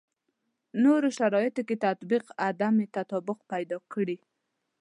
نورو شرایطو کې تطبیق عدم تطابق پیدا کړي.